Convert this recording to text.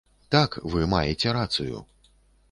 Так, вы маеце рацыю.